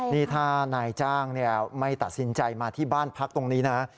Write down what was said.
นี่ถ้านายจ้างไม่ตัดสินใจมาที่บ้านพักตรงนี้นะ